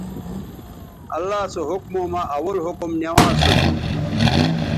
اللہ سو حکموں مہ اول حکم نوانز سو تھو